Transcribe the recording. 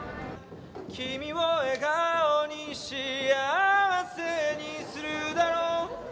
「君を笑顔に幸せにするだろう」